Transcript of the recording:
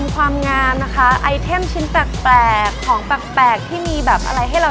คราวนี้นะคะเรามาต่อกันที่แบรนด์เครื่องสำอางค่ะ